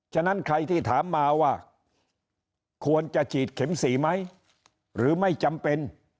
ฉะนั้นใครที่ถามมาว่าควรจะฉีดเข็ม๔ไหมหรือไม่จำเป็น